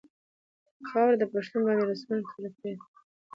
پۀ خاؤره د پښتون باندې رسمونه ټول پردي دي